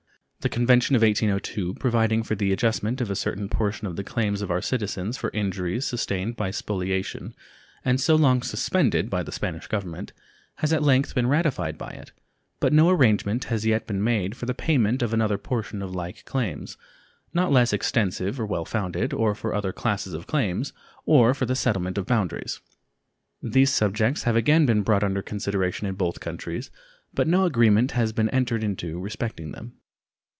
The convention of 1802, providing for the adjustment of a certain portion of the claims of our citizens for injuries sustained by spoliation, and so long suspended by the Spanish Government, has at length been ratified by it, but no arrangement has yet been made for the payment of another portion of like claims, not less extensive or well founded, or for other classes of claims, or for the settlement of boundaries. These subjects have again been brought under consideration in both countries, but no agreement has been entered into respecting them.